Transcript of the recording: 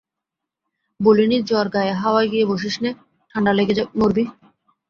বলিনি জ্বরগায়ে হাওয়ায় গিয়ে বসিসনে, ঠাণ্ডা লেগে মরবি?